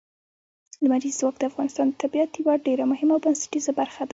لمریز ځواک د افغانستان د طبیعت یوه ډېره مهمه او بنسټیزه برخه ده.